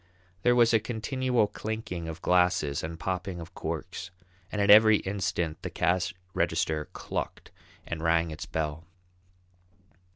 There was a continual clinking of glasses and popping of corks, and at every instant the cash register clucked and rang its bell.